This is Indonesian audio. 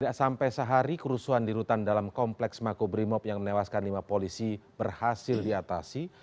tidak sampai sehari kerusuhan di rutan dalam kompleks makobrimob yang menewaskan lima polisi berhasil diatasi